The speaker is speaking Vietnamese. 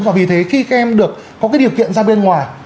và vì thế khi các em được có cái điều kiện ra bên ngoài